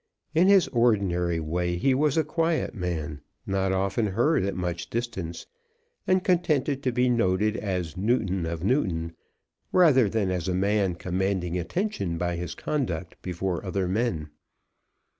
In his ordinary way he was a quiet man, not often heard at much distance, and contented to be noted as Newton of Newton rather than as a man commanding attention by his conduct before other men.